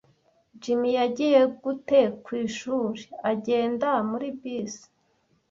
"Jim yagiye gute ku ishuri?" "Agenda muri bisi."